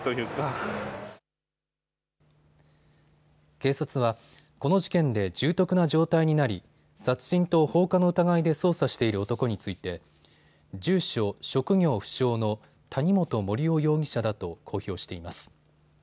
警察はこの事件で重篤な状態になり殺人と放火の疑いで捜査している男について住所・職業不詳の谷本盛雄容疑者だと公表しています。